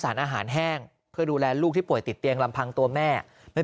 สารอาหารแห้งเพื่อดูแลลูกที่ป่วยติดเตียงลำพังตัวแม่ไม่